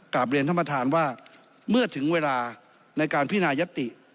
กลับเรียนท่านประธานว่าเมื่อถึงเวลาในการพินายติ